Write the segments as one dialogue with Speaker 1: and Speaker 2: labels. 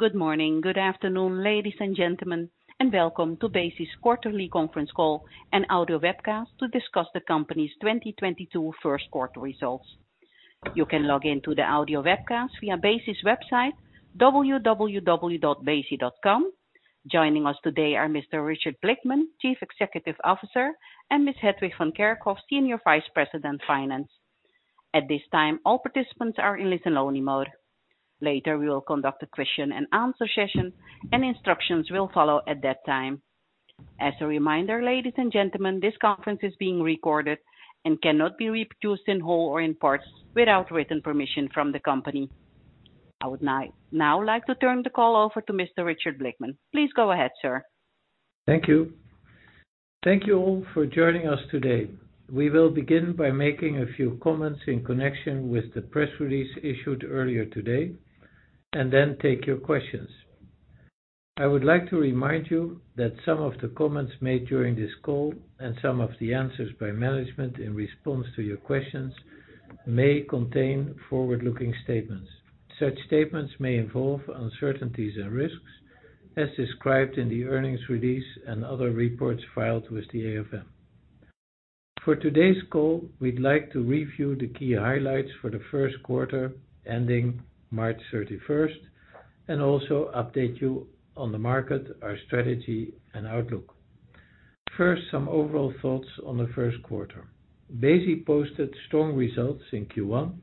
Speaker 1: Good morning, good afternoon, ladies and gentlemen, and welcome to Besi's Quarterly Conference Call and Audio Webcast to discuss the company's 2022 first quarter results. You can log in to the audio webcast via Besi's website, www.besi.com. Joining us today are Mr. Richard Blickman, Chief Executive Officer, and Ms. Hetwig van Kerkhof, Senior Vice President, Finance. At this time, all participants are in listen-only mode. Later, we will conduct a Q&A session and instructions will follow at that time. As a reminder, ladies and gentlemen, this conference is being recorded and cannot be reproduced in whole or in part without written permission from the company. I would now like to turn the call over to Mr. Richard Blickman. Please go ahead, sir.
Speaker 2: Thank you. Thank you all for joining us today. We will begin by making a few comments in connection with the press release issued earlier today and then take your questions. I would like to remind you that some of the comments made during this call and some of the answers by management in response to your questions may contain forward-looking statements. Such statements may involve uncertainties and risks as described in the earnings release and other reports filed with the AFM. For today's call, we'd like to review the key highlights for the first quarter ending March 31st, and also update you on the market, our strategy, and outlook. First, some overall thoughts on the first quarter. Besi posted strong results in Q1,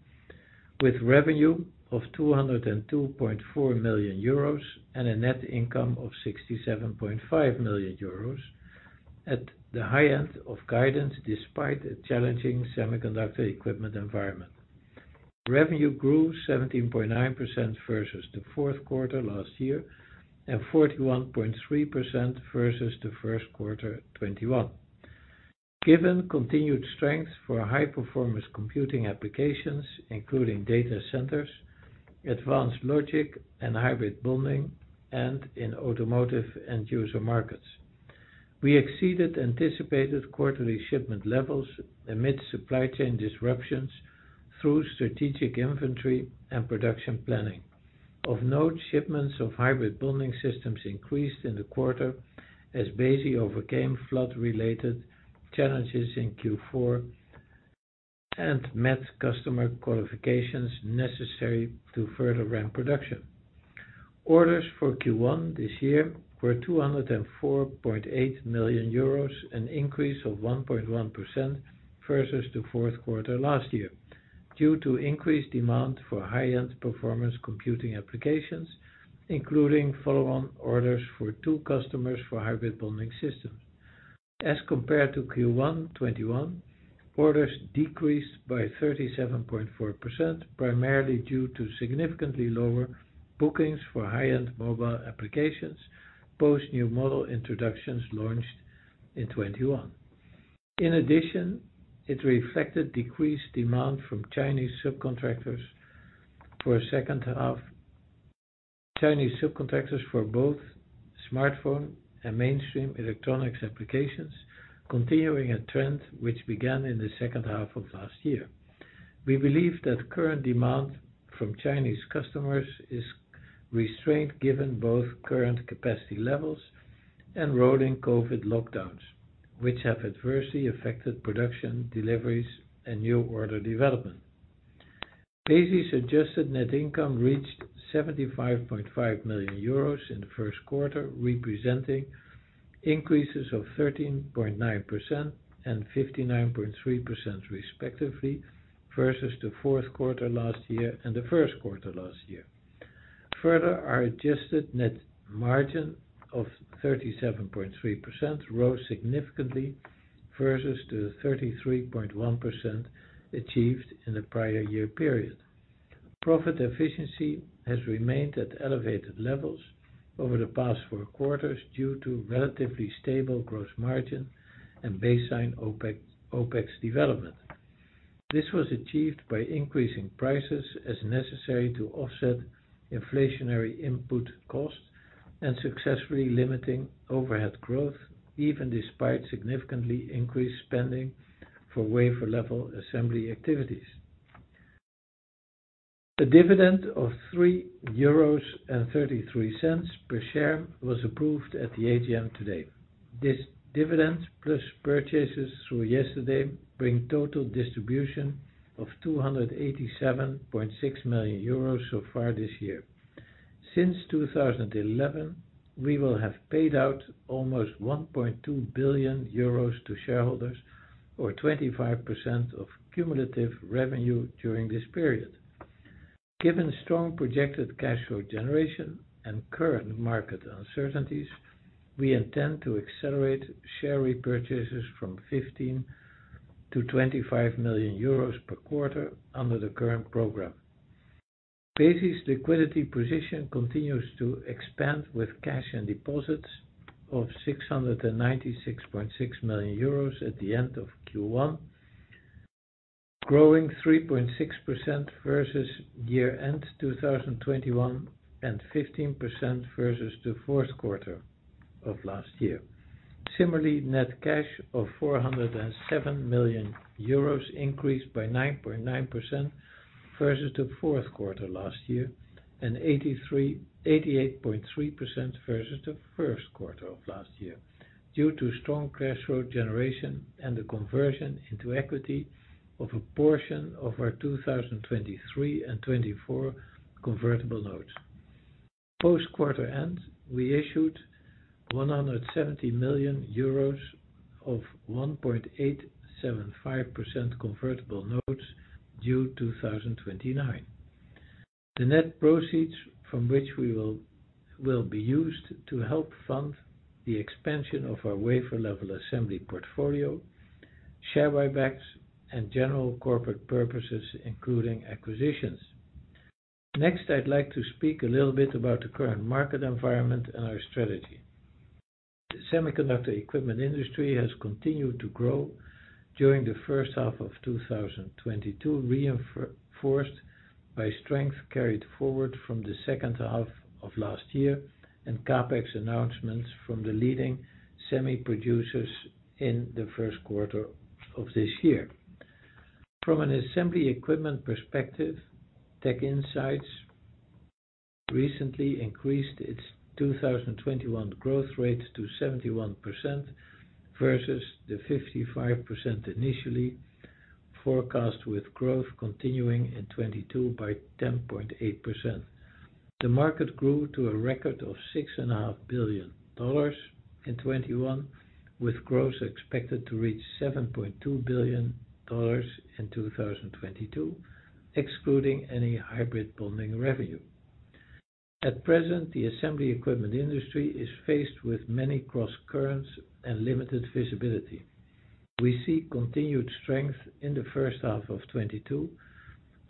Speaker 2: with revenue of 202.4 million euros and a net income of 67.5 million euros at the high end of guidance, despite a challenging semiconductor equipment environment. Revenue grew 17.9% versus the fourth quarter last year and 41.3% versus the first quarter 2021. Given continued strength for high-performance computing applications, including data centers, advanced logic and Hybrid Bonding, and in automotive end-user markets, we exceeded anticipated quarterly shipment levels amid supply chain disruptions through strategic inventory and production planning. Of note, shipments of Hybrid Bonding systems increased in the quarter as Besi overcame flood-related challenges in Q4 and met customer qualifications necessary to further ramp production. Orders for Q1 this year were 204.8 million euros, an increase of 1.1% versus the fourth quarter last year, due to increased demand for high-end performance computing applications, including follow-on orders for two customers for Hybrid Bonding systems. As compared to Q1 2021, orders decreased by 37.4%, primarily due to significantly lower bookings for high-end mobile applications, post new model introductions launched in 2021. In addition, it reflected decreased demand from Chinese subcontractors for both smartphone and mainstream electronics applications, continuing a trend which began in the second half of last year. We believe that current demand from Chinese customers is restrained, given both current capacity levels and rolling COVID lockdowns, which have adversely affected production, deliveries, and new order development. Besi's adjusted net income reached 75.5 million euros in the first quarter, representing increases of 13.9% and 59.3% respectively versus the fourth quarter last year and the first quarter last year. Further, our adjusted net margin of 37.3% rose significantly versus the 33.1% achieved in the prior year period. Profit efficiency has remained at elevated levels over the past four quarters due to relatively stable gross margin and baseline OPEX development. This was achieved by increasing prices as necessary to offset inflationary input costs and successfully limiting overhead growth, even despite significantly increased spending for wafer-level assembly activities. A dividend of 3.33 euros per share was approved at the AGM today. This dividend plus purchases through yesterday bring total distribution of 287.6 million euros so far this year. Since 2011, we will have paid out almost 1.2 billion euros to shareholders or 25% of cumulative revenue during this period. Given strong projected cash flow generation and current market uncertainties, we intend to accelerate share repurchases from 15 million-25 million euros per quarter under the current program. Besi's liquidity position continues to expand with cash and deposits of 696.6 million euros at the end of Q1, growing 3.6% versus year-end 2021 and 15% versus the fourth quarter of last year. Similarly, net cash of 407 million euros increased by 9.9% versus the fourth quarter last year and 88.3% versus the first quarter of last year, due to strong cash flow generation and the conversion into equity of a portion of our 2023 and 2024 convertible notes. Post quarter end, we issued 170 million euros of 1.875% convertible notes due 2029. The net proceeds from which we will be used to help fund the expansion of our wafer-level assembly portfolio, share buybacks and general corporate purposes, including acquisitions. Next, I'd like to speak a little bit about the current market environment and our strategy. The semiconductor equipment industry has continued to grow during the first half of 2022, reinforced by strength carried forward from the second half of last year and CapEx announcements from the leading semi producers in the first quarter of this year. From an assembly equipment perspective, TechInsights recently increased its 2021 growth rate to 71% versus the 55% initially forecast, with growth continuing in 2022 by 10.8%. The market grew to a record of $6.5 billion in 2021, with growth expected to reach $7.2 billion in 2022, excluding any Hybrid Bonding revenue. At present, the assembly equipment industry is faced with many cross currents and limited visibility. We see continued strength in the first half of 2022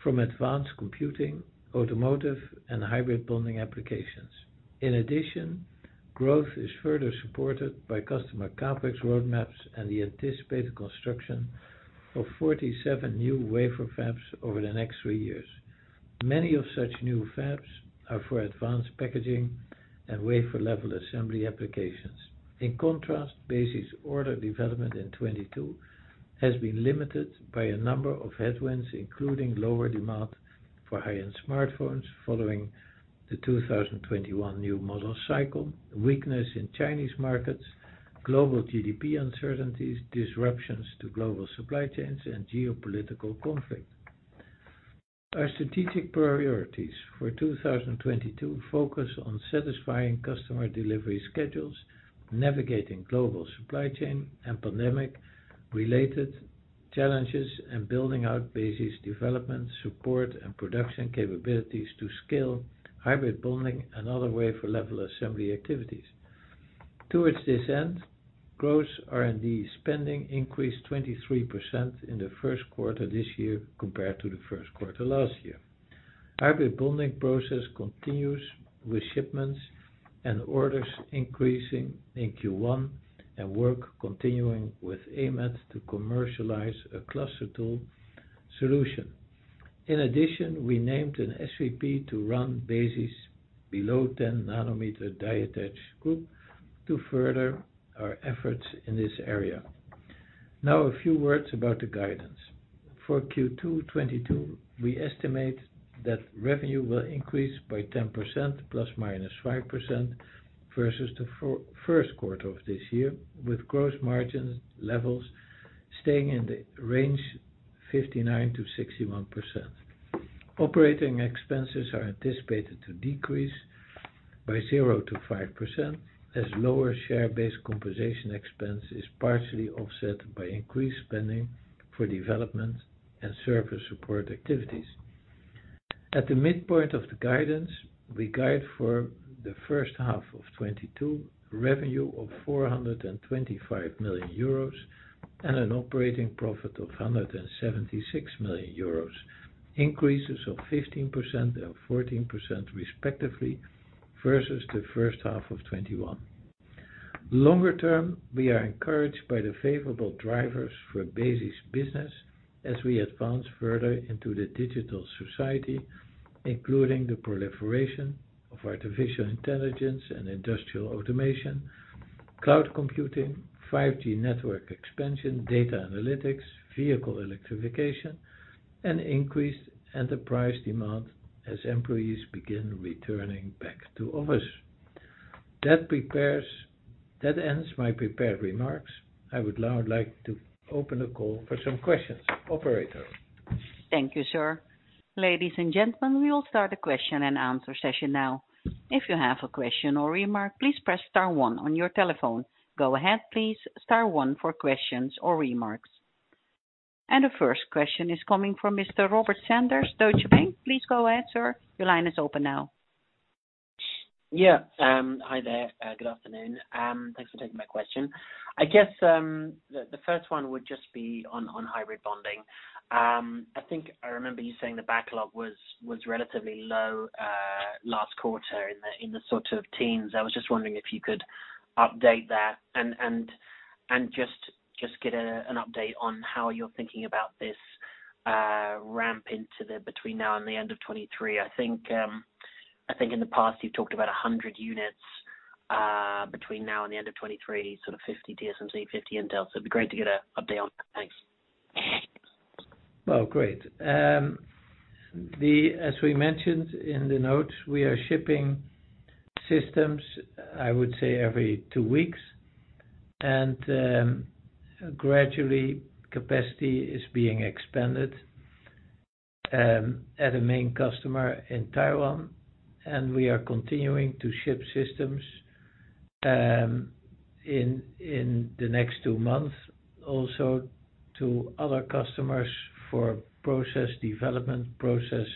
Speaker 2: from advanced computing, automotive, and Hybrid Bonding applications. In addition, growth is further supported by customer CapEx roadmaps and the anticipated construction of 47 new wafer fabs over the next three years. Many of such new fabs are for advanced packaging and wafer-level assembly applications. In contrast, Besi's order development in 2022 has been limited by a number of headwinds, including lower demand for high-end smartphones following the 2021 new model cycle, weakness in Chinese markets, global GDP uncertainties, disruptions to global supply chains and geopolitical conflict. Our strategic priorities for 2022 focus on satisfying customer delivery schedules, navigating global supply chain and pandemic-related challenges, and building out Besi development, support and production capabilities to scale Hybrid Bonding and other wafer-level assembly activities. Towards this end, gross R&D spending increased 23% in the first quarter this year compared to the first quarter last year. Hybrid Bonding process continues with shipments and orders increasing in Q1 and work continuing with AMAT to commercialize a cluster tool solution. In addition, we named an SVP to run Besi's below 10 nanometer die attach group to further our efforts in this area. Now a few words about the guidance. For Q2 2022, we estimate that revenue will increase by 10% ±5% versus the first quarter of this year, with gross margin levels staying in the range 59%-61%. Operating expenses are anticipated to decrease by 0%-5% as lower share-based compensation expense is partially offset by increased spending for development and service support activities. At the midpoint of the guidance, we guide for the first half of 2022 revenue of 425 million euros and an operating profit of 176 million euros, increases of 15% and 14% respectively versus the first half of 2021. Longer term, we are encouraged by the favorable drivers for Besi's business as we advance further into the digital society, including the proliferation of artificial intelligence and industrial automation, cloud computing, 5G network expansion, data analytics, vehicle electrification, and increased enterprise demand as employees begin returning back to office. That ends my prepared remarks. I would now like to open the call for some questions. Operator?
Speaker 1: Thank you, sir. Ladies and gentlemen, we will start the Q&A session now. If you have a question or remark, please press star one on your telephone. Go ahead, please. Star one for questions or remarks. The first question is coming from Mr. Robert Sanders, Deutsche Bank. Please go ahead, sir. Your line is open now.
Speaker 3: Yeah. Hi there. Good afternoon, thanks for taking my question. I guess the first one would just be on Hybrid Bonding. I think I remember you saying the backlog was relatively low last quarter in the sort of teens. I was just wondering if you could update that and just get an update on how you're thinking about this ramp into the between now and the end of 2023. I think in the past you've talked about 100 units between now and the end of 2023, sort of 50 TSMC, 50 Intel. So it'd be great to get an update on that. Thanks.
Speaker 2: Well, great. As we mentioned in the notes, we are shipping systems, I would say every two weeks. Gradually capacity is being expanded at a main customer in Taiwan, and we are continuing to ship systems in the next two months, also to other customers for process development, process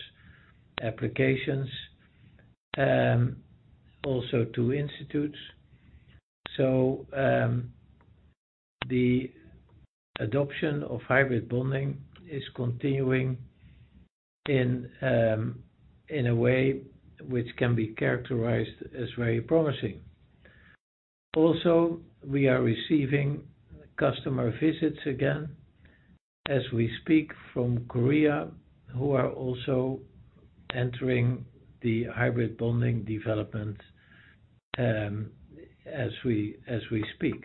Speaker 2: applications, also to institutes. The adoption of Hybrid Bonding is continuing in a way which can be characterized as very promising. We are receiving customer visits again, as we speak from Korea, who are also entering the Hybrid Bonding development, as we speak.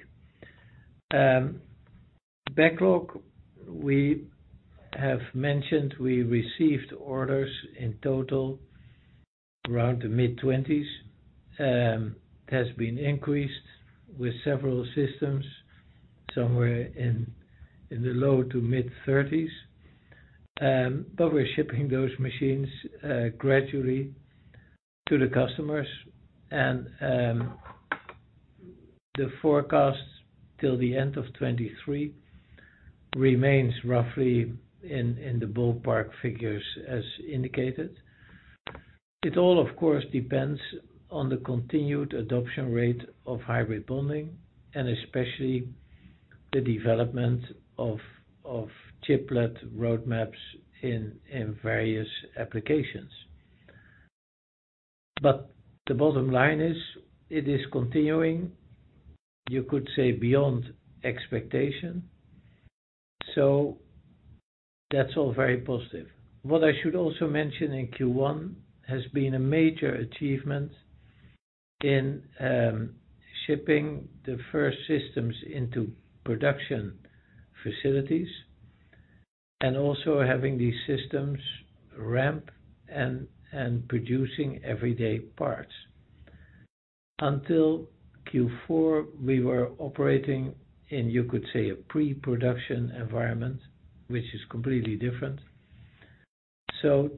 Speaker 2: Backlog, we have mentioned we received orders in total around the mid-20s. Has been increased with several systems somewhere in the low to mid-30s. But we're shipping those machines gradually to the customers. The forecast till the end of 2023 remains roughly in the ballpark figures as indicated. It all, of course, depends on the continued adoption rate of Hybrid Bonding, and especially the development of chiplet roadmaps in various applications. The bottom line is, it is continuing, you could say, beyond expectation. That's all very positive. What I should also mention in Q1 has been a major achievement in shipping the first systems into production facilities and also having these systems ramp and producing everyday parts. Until Q4, we were operating in, you could say, a pre-production environment, which is completely different.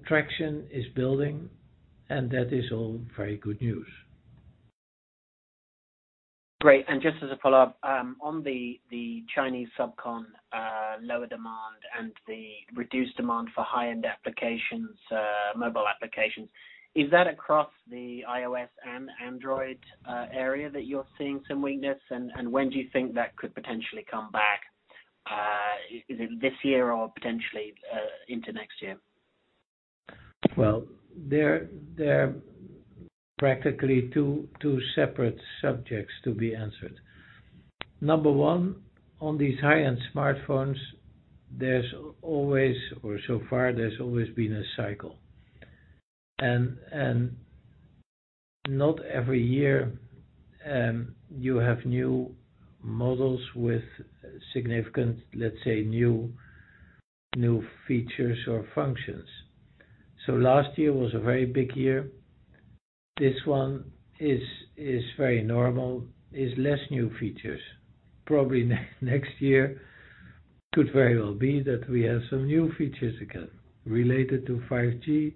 Speaker 2: Traction is building, and that is all very good news.
Speaker 3: Great. Just as a follow-up, on the Chinese subcon lower demand and the reduced demand for high-end applications, mobile applications, is that across the iOS and Android area that you're seeing some weakness? When do you think that could potentially come back? Is it this year or potentially into next year?
Speaker 2: Well, they're practically two separate subjects to be answered. Number one, on these high-end smartphones, there's always been a cycle so far. Not every year, you have new models with significant, let's say, new features or functions. Last year was a very big year. This one is very normal, less new features. Probably next year could very well be that we have some new features again related to 5G,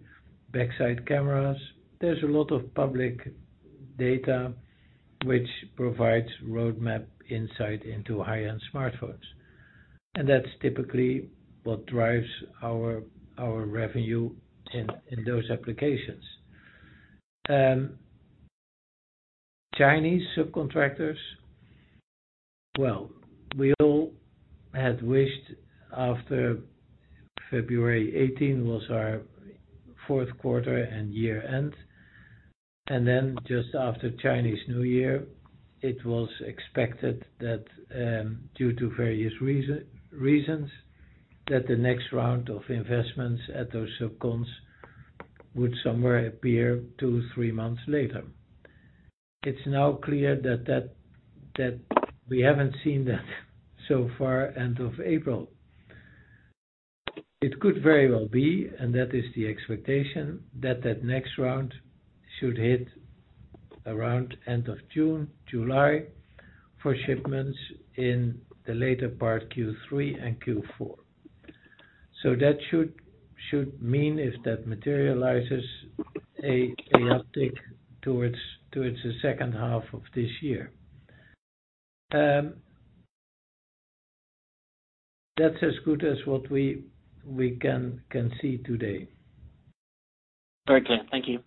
Speaker 2: backside cameras. There's a lot of public data which provides roadmap insight into high-end smartphones. That's typically what drives our revenue in those applications. Chinese subcontractors, well, we all had wished after February 2018 was our fourth quarter and year-end. Just after Chinese New Year, it was expected that, due to various reasons, that the next round of investments at those subcons would somewhere appear two, three months later. It's now clear that we haven't seen that so far end of April. It could very well be, and that is the expectation, that that next round should hit around end of June, July, for shipments in the later part Q3 and Q4. That should mean, if that materializes, a uptick towards the second half of this year. That's as good as what we can see today.
Speaker 3: Very clear. Thank you.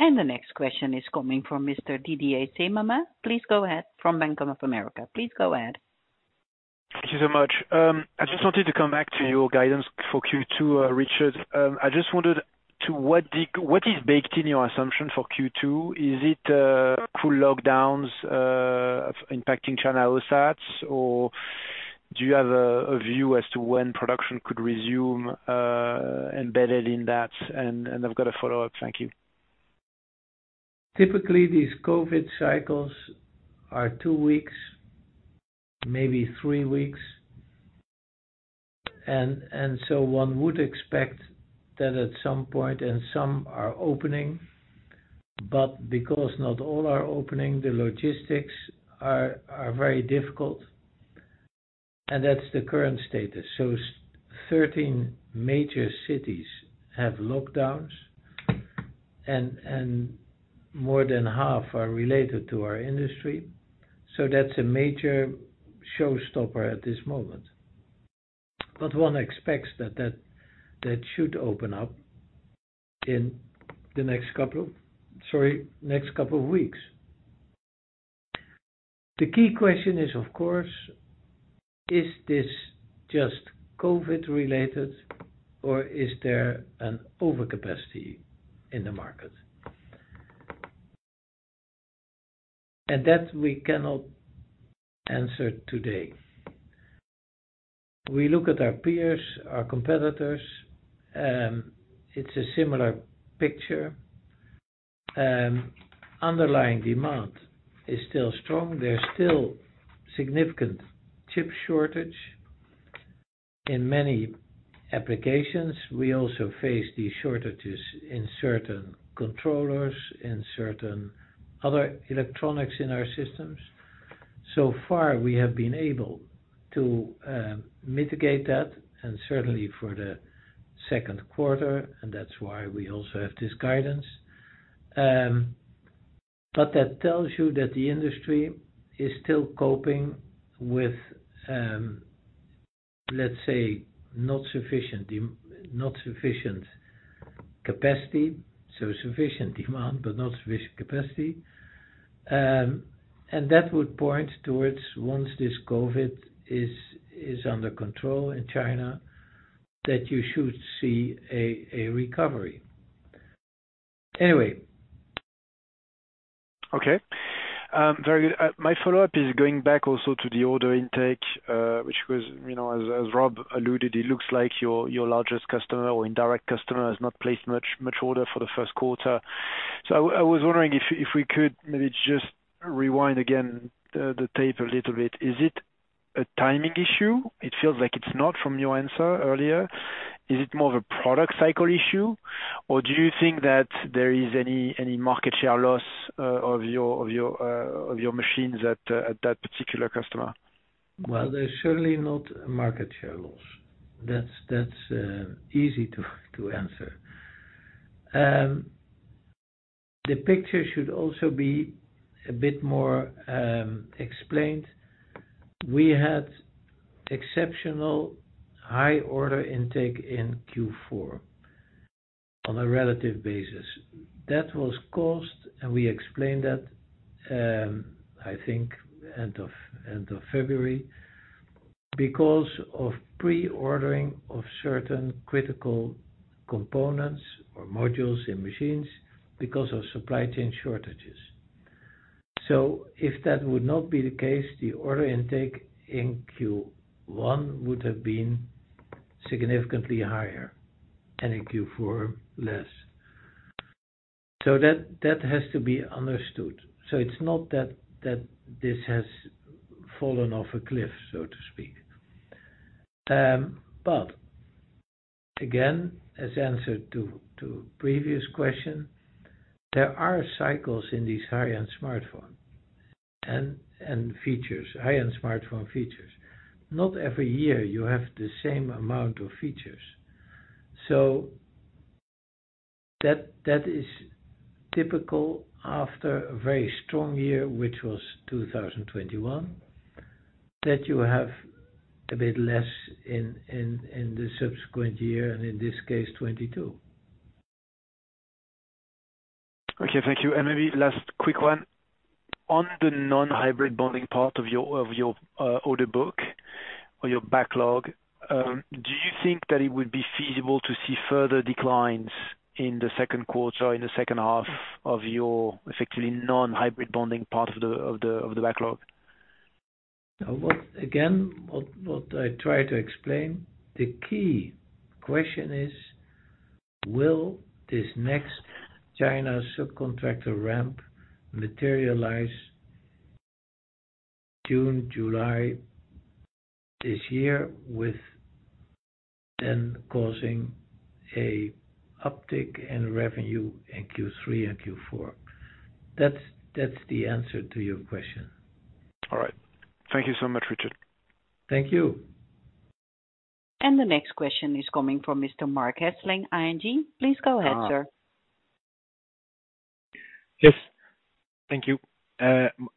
Speaker 1: The next question is coming from Mr. Didier Scemama. Please go ahead, from Bank of America. Please go ahead.
Speaker 4: Thank you so much. I just wanted to come back to your guidance for Q2, Richard. I just wondered what is baked in your assumption for Q2? Is it full lockdowns impacting China OSATs or do you have a view as to when production could resume embedded in that? I've got a follow-up. Thank you.
Speaker 2: Typically, these COVID cycles are two weeks, maybe three weeks. So one would expect that at some point, and some are opening, but because not all are opening, the logistics are very difficult. That's the current status. 13 major cities have lockdowns, and more than half are related to our industry. That's a major showstopper at this moment. One expects that should open up in the next couple of weeks. The key question is, of course, this just COVID-related or is there an overcapacity in the market? That we cannot answer today. We look at our peers, our competitors, it's a similar picture. Underlying demand is still strong. There's still significant chip shortage in many applications. We also face these shortages in certain controllers, in certain other electronics in our systems. So far, we have been able to mitigate that, and certainly for the second quarter, and that's why we also have this guidance. That tells you that the industry is still coping with, let's say, not sufficient capacity, so sufficient demand, but not sufficient capacity. That would point towards, once this COVID is under control in China, that you should see a recovery. Anyway.
Speaker 4: Okay. Very good. My follow-up is going back also to the order intake, which was, you know, as Rob alluded, it looks like your largest customer or indirect customer has not placed much order for the first quarter. I was wondering if we could maybe just rewind again the tape a little bit. Is it a timing issue? It feels like it's not from your answer earlier. Is it more of a product cycle issue? Or do you think that there is any market share loss of your machines at that particular customer?
Speaker 2: Well, there's certainly not a market share loss. That's easy to answer. The picture should also be a bit more explained. We had exceptional high order intake in Q4 on a relative basis. That was caused, and we explained that, I think end of February, because of pre-ordering of certain critical components or modules in machines because of supply chain shortages. If that would not be the case, the order intake in Q1 would have been significantly higher, and in Q4 less. That has to be understood. It's not that this has fallen off a cliff, so to speak. Again, as answered to previous question, there are cycles in these high-end smartphone and features, high-end smartphone features. Not every year you have the same amount of features. That is typical after a very strong year, which was 2021, that you have a bit less in the subsequent year, and in this case, 2022.
Speaker 4: Okay. Thank you. Maybe last quick one. On the non-Hybrid Bonding part of your order book or your backlog, do you think that it would be feasible to see further declines in the second quarter, in the second half of your effectively non-Hybrid Bonding part of the backlog?
Speaker 2: Again, I try to explain, the key question is, will this next China subcontractor ramp materialize June, July this year with then causing an uptick in revenue in Q3 and Q4? That's the answer to your question.
Speaker 4: All right. Thank you so much, Richard.
Speaker 2: Thank you.
Speaker 1: The next question is coming from Mr. Marc Hesselink, ING. Please go ahead, sir.
Speaker 5: Yes. Thank you.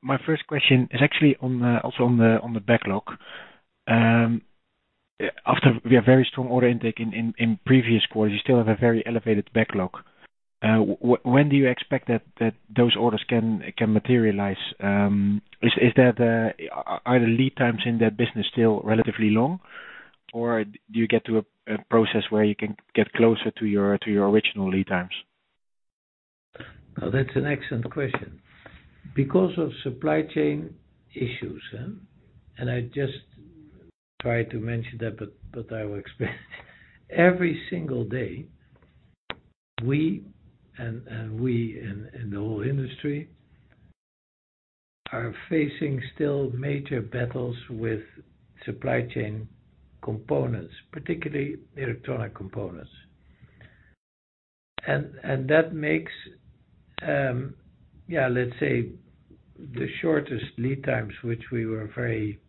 Speaker 5: My first question is actually also on the backlog. After we have very strong order intake in previous quarters, you still have a very elevated backlog. When do you expect that those orders can materialize? Are the lead times in that business still relatively long, or do you get to a process where you can get closer to your original lead times?
Speaker 2: Oh, that's an excellent question. Because of supply chain issues, and I just tried to mention that, but I will explain. Every single day, we in the whole industry are facing still major battles with supply chain components, particularly electronic components. That makes the shortest lead times which we were very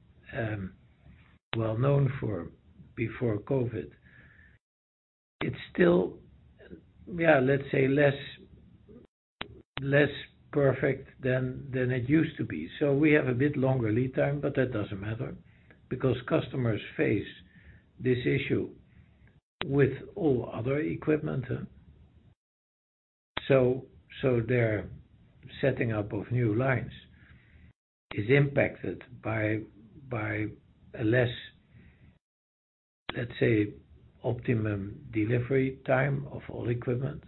Speaker 2: well-known for before COVID less perfect than it used to be. We have a bit longer lead time, but that doesn't matter because customers face this issue with all other equipment. Their setting up of new lines is impacted by a less optimum delivery time of all equipment.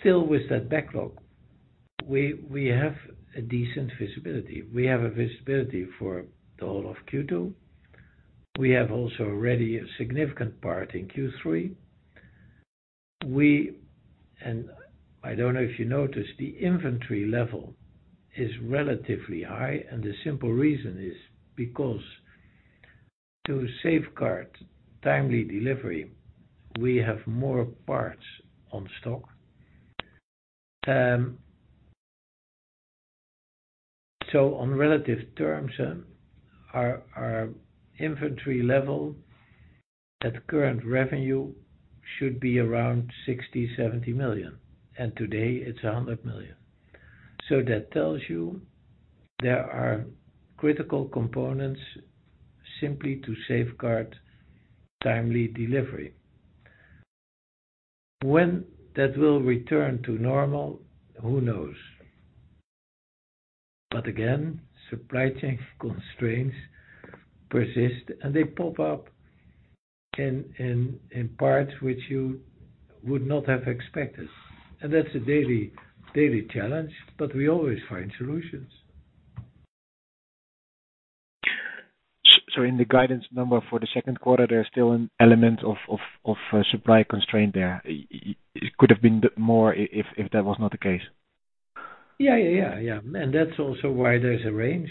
Speaker 2: Still with that backlog, we have a decent visibility. We have a visibility for the whole of Q2. We have also already a significant part in Q3. I don't know if you noticed, the inventory level is relatively high, and the simple reason is because to safeguard timely delivery, we have more parts on stock. On relative terms, our inventory level at current revenue should be around 60-70 million, and today it's 100 million. That tells you there are critical components simply to safeguard timely delivery. When that will return to normal, who knows? Supply chain constraints persist, and they pop up in parts which you would not have expected. That's a daily challenge, but we always find solutions.
Speaker 5: In the guidance number for the second quarter, there's still an element of supply constraint there. You could have been more if that was not the case.
Speaker 2: Yeah. That's also why there's a range.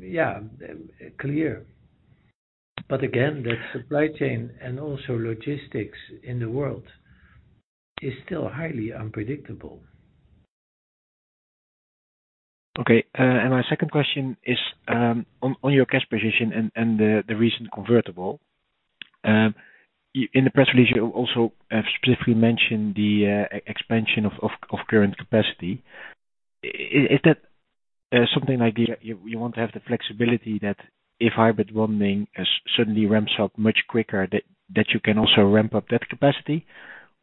Speaker 2: Yeah, clear. Again, that supply chain and also logistics in the world is still highly unpredictable.
Speaker 5: Okay. My second question is on your cash position and the recent convertible. In the press release, you also specifically mentioned the expansion of current capacity. Is that something like you want to have the flexibility that if Hybrid Bonding suddenly ramps up much quicker, that you can also ramp up that capacity?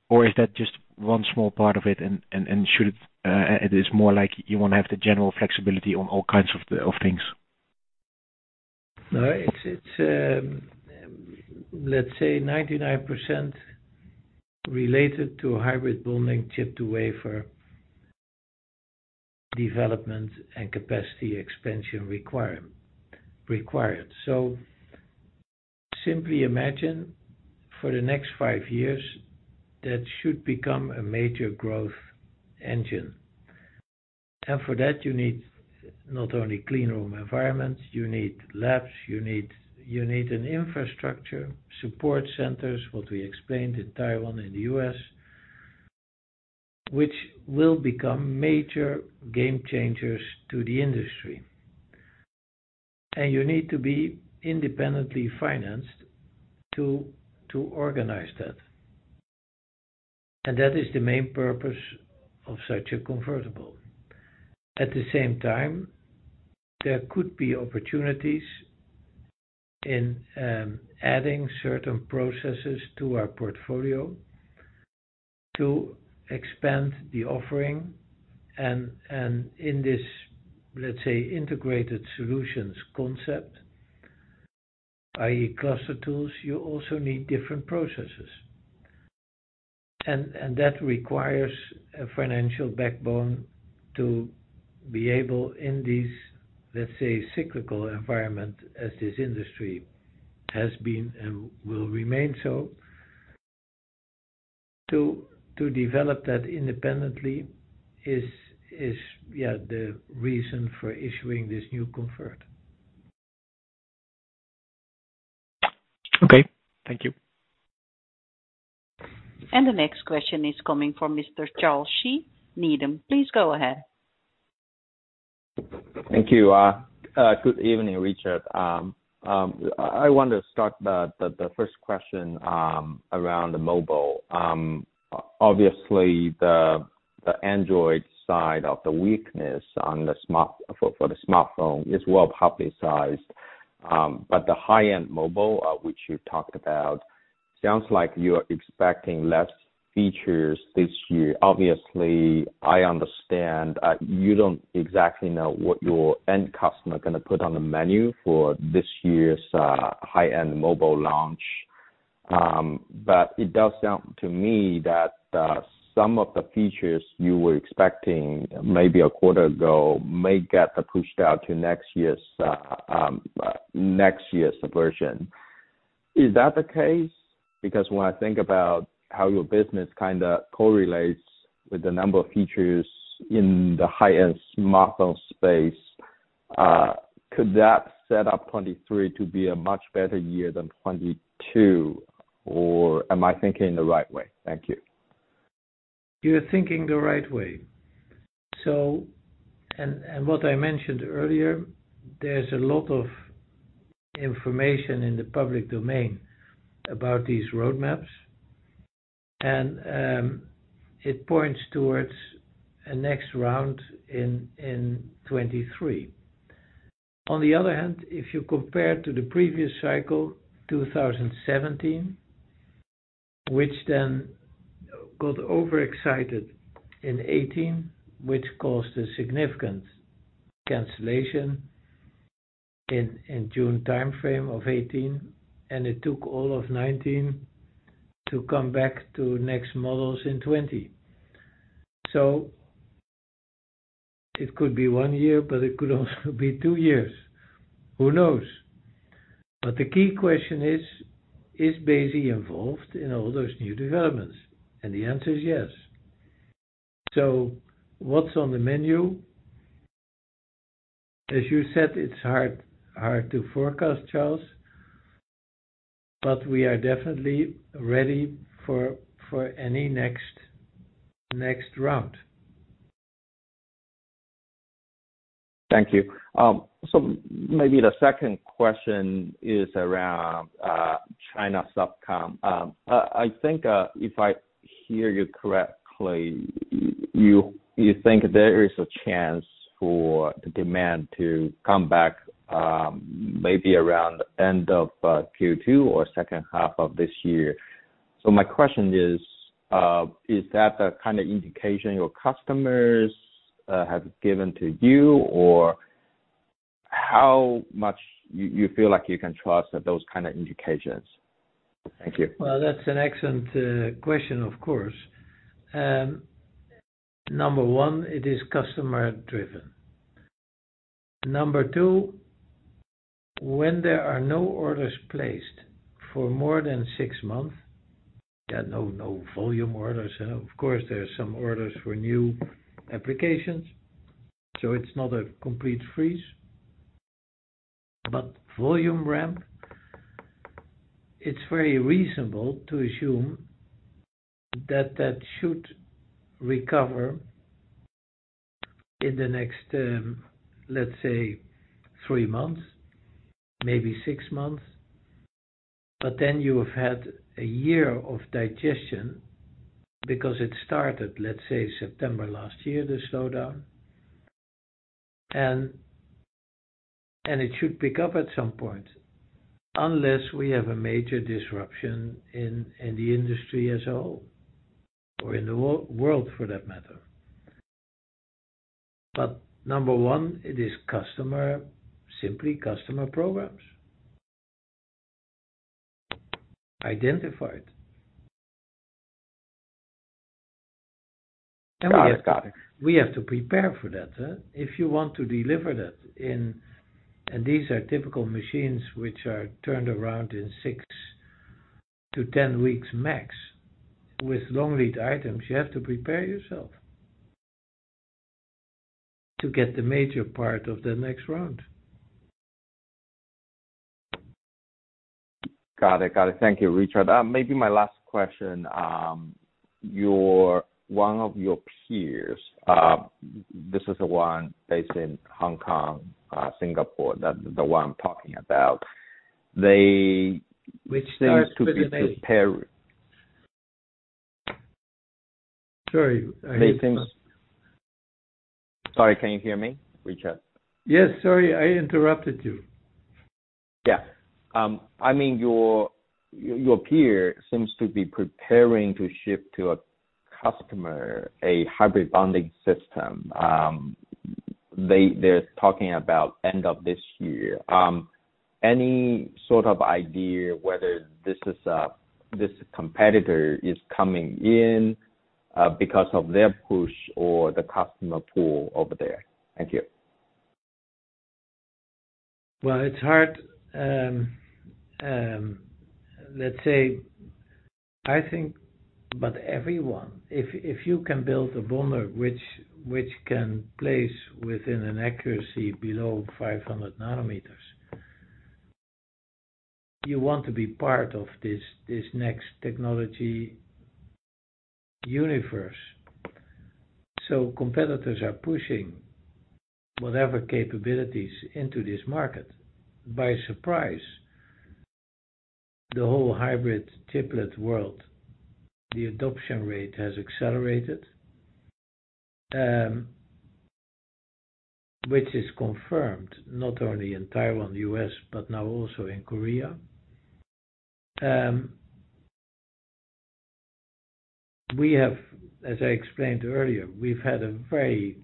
Speaker 5: Or is that just one small part of it and is it more like you want to have the general flexibility on all kinds of things?
Speaker 2: No, it's let's say 99% related to Hybrid Bonding, chip-to-wafer development and capacity expansion required. Simply imagine for the next five years, that should become a major growth engine. For that, you need not only clean room environments, you need labs, infrastructure, support centers, what we explained in Taiwan and the U.S., which will become major game changers to the industry. You need to be independently financed to organize that. That is the main purpose of such a convertible. At the same time, there could be opportunities in adding certain processes to our portfolio to expand the offering. In this, let's say, integrated solutions concept, i.e. cluster tools, you also need different processes. That requires a financial backbone to be able in this, let's say, cyclical environment as this industry has been and will remain so. To develop that independently is, yeah, the reason for issuing this new convert.
Speaker 5: Okay. Thank you.
Speaker 1: The next question is coming from Mr. Charles Shi, Needham. Please go ahead.
Speaker 6: Thank you. Good evening, Richard. I want to start the first question around the mobile. Obviously, the Android side of the weakness on the smartphone is well-publicized. The high-end mobile, which you talked about sounds like you're expecting less features this year. Obviously, I understand you don't exactly know what your end customer gonna put on the menu for this year's high-end mobile launch. It does sound to me that some of the features you were expecting maybe a quarter ago may get pushed out to next year's version. Is that the case? Because when I think about how your business kinda correlates with the number of features in the high-end smartphone space, could that set up 2023 to be a much better year than 2022, or am I thinking the right way? Thank you.
Speaker 2: You're thinking the right way. What I mentioned earlier, there's a lot of information in the public domain about these roadmaps, and it points towards a next round in 2023. On the other hand, if you compare to the previous cycle, 2017, which then got overexcited in 2018, which caused a significant cancellation in June time-frame of 2018, and it took all of 2019 to come back to next models in 2020. It could be one year, but it could also be two years. Who knows? The key question is Besi involved in all those new developments? The answer is yes. What's on the menu? As you said, it's hard to forecast, Charles, but we are definitely ready for any next round.
Speaker 6: Thank you. Maybe the second question is around China subcom. I think if I hear you correctly, you think there is a chance for the demand to come back, maybe around end of Q2 or second half of this year. My question is that the kind of indication your customers have given to you? Or how much you feel like you can trust those kind of indications? Thank you.
Speaker 2: Well, that's an excellent question, of course. Number one, it is customer-driven. Number two, when there are no orders placed for more than six months, there are no volume orders. Of course, there are some orders for new applications, so it's not a complete freeze. Volume ramp, it's very reasonable to assume that that should recover in the next, let's say three months, maybe six months. You've had a year of digestion because it started, let's say, September last year, the slowdown. It should pick up at some point, unless we have a major disruption in the industry as a whole or in the world for that matter. Number one, it is customer, simply customer programs. Identified.
Speaker 6: Got it. Got it.
Speaker 2: We have to prepare for that, huh? If you want to deliver that and these are typical machines which are turned around in six to 10 weeks max. With long lead items, you have to prepare yourself to get the major part of the next round.
Speaker 6: Got it. Thank you, Richard. Maybe my last question. One of your peers, this is the one based in Hong Kong, Singapore, that's the one I'm talking about. They
Speaker 2: Which starts with an A.
Speaker 6: -seem to be prepar-
Speaker 2: Sorry, I interrupted.
Speaker 6: Sorry, can you hear me, Richard?
Speaker 2: Yes, sorry, I interrupted you.
Speaker 6: Yeah. I mean, your peer seems to be preparing to ship to a customer a Hybrid Bonding system. They're talking about end of this year. Any sort of idea whether this competitor is coming in because of their push or the customer pull over there? Thank you.
Speaker 2: Well, it's hard. Let's say, I think, but everyone, if you can build a Bonder which can place within an accuracy below 500 nanometers, you want to be part of this next technology universe. Competitors are pushing whatever capabilities into this market. Surprisingly, the whole hybrid chiplet world, the adoption rate has accelerated, which is confirmed not only in Taiwan, U.S., but now also in Korea. As I explained earlier, we've had a very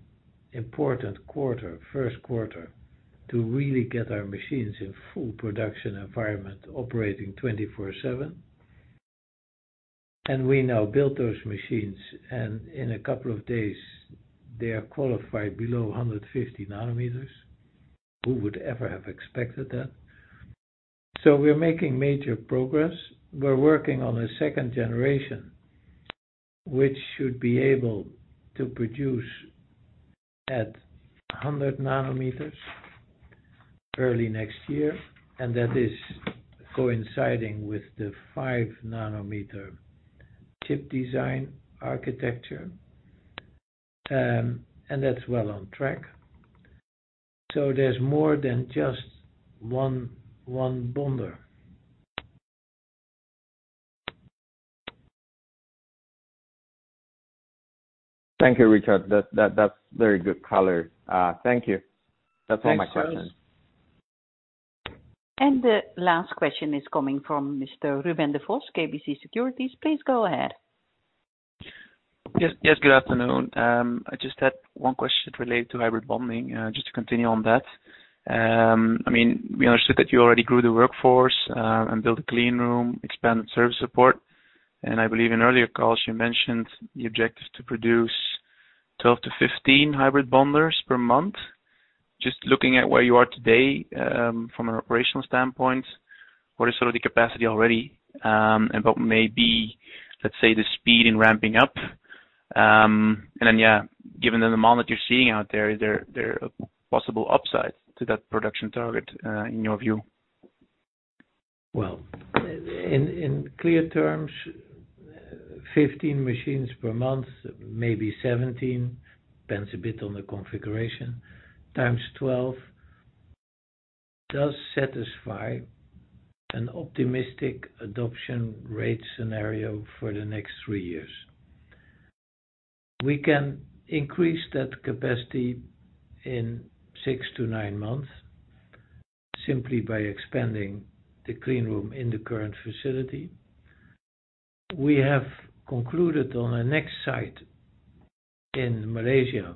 Speaker 2: important quarter, first quarter, to really get our machines in full production environment operating 24/7. We now built those machines, and in a couple of days, they are qualified below 150 nanometers. Who would ever have expected that? We're making major progress. We're working on a second generation, which should be able to produce at 100 nanometers early next year, and that is coinciding with the five-nanometer chip design architecture. That's well on track. There's more than just one Bonder.
Speaker 6: Thank you, Richard. That's very good color. Thank you.
Speaker 2: Thanks Charles.
Speaker 6: That's all my questions.
Speaker 1: The last question is coming from Mr. Ruben Devos, KBC Securities. Please go ahead.
Speaker 7: Yes, yes. Good afternoon. I just had one question related to Hybrid Bonding, just to continue on that. I mean, we understood that you already grew the workforce, and built a clean room, expanded service support. I believe in earlier calls you mentioned the objective is to produce 12-15 Hybrid Bonders per month. Just looking at where you are today, from an operational standpoint, what is sort of the capacity already, and what may be, let's say, the speed in ramping up? Yeah, given the demand that you're seeing out there, is there a possible upside to that production target, in your view?
Speaker 2: Well, in clear terms, 15 machines per month, maybe 17, depends a bit on the configuration, times 12, does satisfy an optimistic adoption rate scenario for the next three years. We can increase that capacity in six to nine months simply by expanding the clean room in the current facility. We have concluded on a next site in Malaysia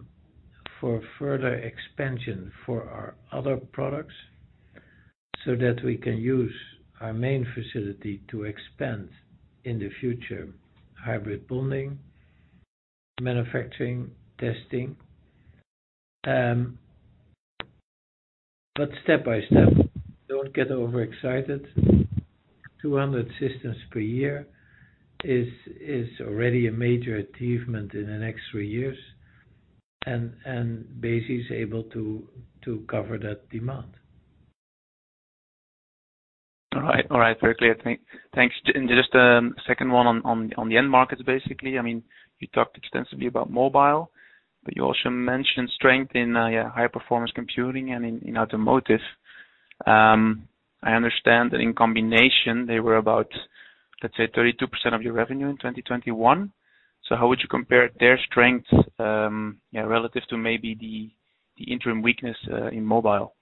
Speaker 2: for further expansion for our other products, so that we can use our main facility to expand in the future, Hybrid Bonding, manufacturing, testing. Step by step, don't get overexcited. 200 systems per year is already a major achievement in the next three years, and Besi is able to cover that demand.
Speaker 7: All right. Very clear, thanks. Just second one on the end markets, basically. I mean, you talked extensively about mobile, but you also mentioned strength in high-performance computing and in automotive. I understand that in combination they were about, let's say, 32% of your revenue in 2021. How would you compare their strength relative to maybe the interim weakness in mobile?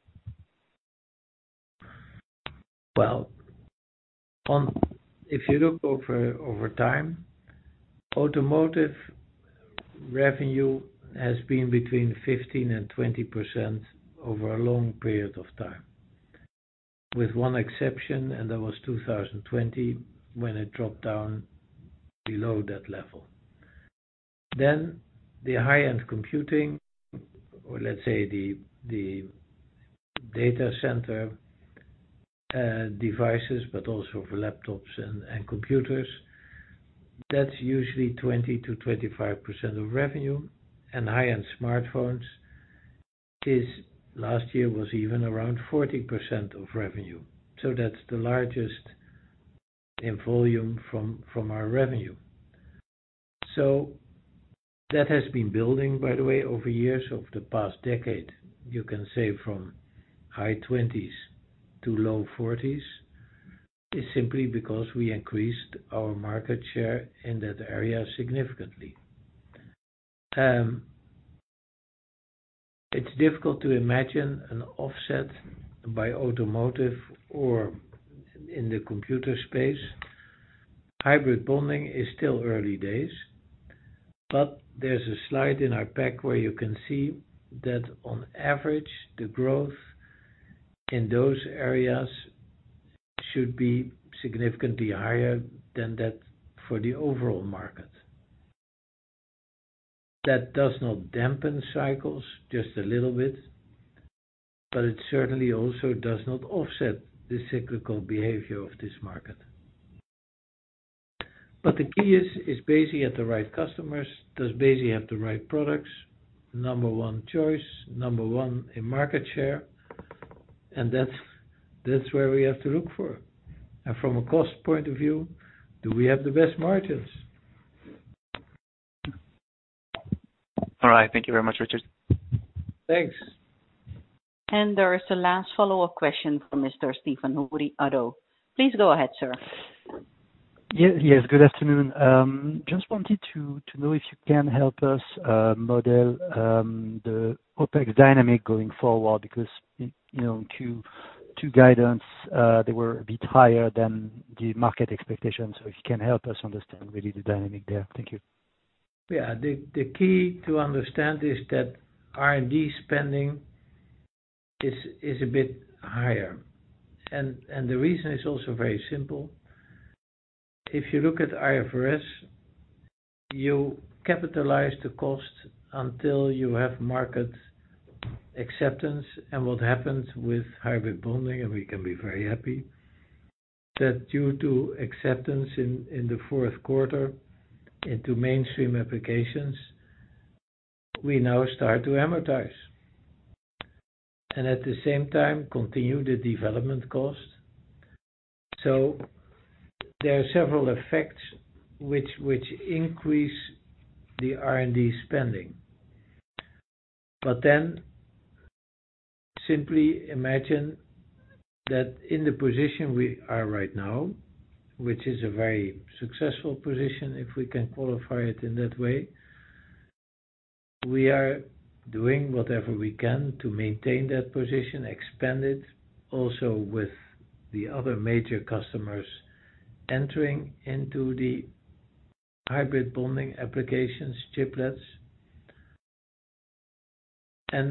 Speaker 2: Well, if you look over time, automotive revenue has been between 15% and 20% over a long period of time. With one exception, and that was 2020, when it dropped down below that level. High-end computing, or let's say the data center devices, but also for laptops and computers, that's usually 20%-25% of revenue. High-end smartphones is, last year was even around 40% of revenue, so that's the largest in volume from our revenue. That has been building, by the way, over years, over the past decade. You can say from high 20s to low 40s, is simply because we increased our market share in that area significantly. It's difficult to imagine an offset by automotive or in the computer space. Hybrid Bonding is still early days, but there's a slide in our pack where you can see that on average, the growth in those areas should be significantly higher than that for the overall market. That does not dampen cycles just a little bit, but it certainly also does not offset the cyclical behavior of this market. The key is Besi at the right customers? Does Besi have the right products? Number one choice, number one in market share, and that's where we have to look for. From a cost point of view, do we have the best margins?
Speaker 7: All right. Thank you very much, Richard.
Speaker 2: Thanks.
Speaker 1: There is the last follow-up question from Mr. Sandeep [Deshpande]. Please go ahead, sir.
Speaker 8: Yes. Good afternoon. Just wanted to know if you can help us model the OPEX dynamic going forward because, you know, Q4 guidance they were a bit higher than the market expectations. If you can help us understand really the dynamic there. Thank you.
Speaker 2: Yeah. The key to understand is that R&D spending is a bit higher. The reason is also very simple. If you look at IFRS, you capitalize the cost until you have market acceptance. What happens with Hybrid Bonding, and we can be very happy, that due to acceptance in the fourth quarter into mainstream applications, we now start to amortize and at the same time continue the development cost. There are several effects which increase the R&D spending. Simply imagine that in the position we are right now, which is a very successful position, if we can qualify it in that way, we are doing whatever we can to maintain that position, expand it, also with the other major customers entering into the Hybrid Bonding applications chiplets.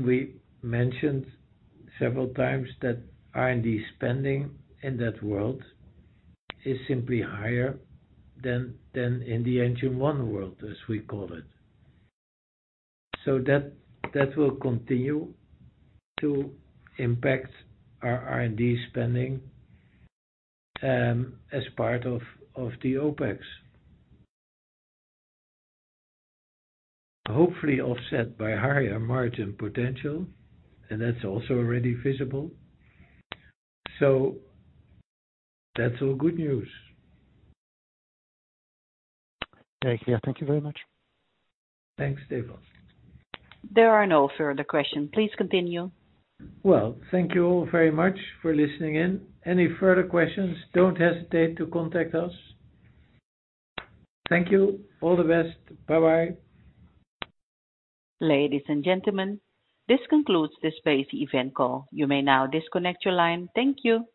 Speaker 2: We mentioned several times that R&D spending in that world is simply higher than in the Engine 1 world, as we call it. That will continue to impact our R&D spending as part of the OPEX. Hopefully offset by higher margin potential, and that's also already visible. That's all good news.
Speaker 8: Thank you. Thank you very much.
Speaker 2: Thanks, Sandeep.
Speaker 1: There are no further questions. Please continue.
Speaker 2: Well, thank you all very much for listening in. Any further questions, don't hesitate to contact us. Thank you. All the best. Bye-bye.
Speaker 1: Ladies and gentlemen, this concludes this Besi Event Call. You may now disconnect your line. Thank you.